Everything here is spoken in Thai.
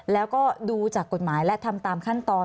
แล้วก็ดูจากกฎหมายและทำตามขั้นตอน